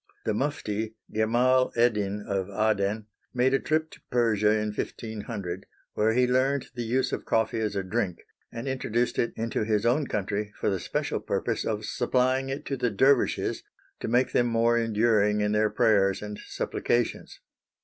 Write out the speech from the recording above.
The mufti, Gemal Eddin of Aden, made a trip to Persia in 1500, where he learned the use of coffee as a drink, and introduced it into his own country for the special purpose of supplying it to the dervishes to make them more enduring in their prayers and supplications.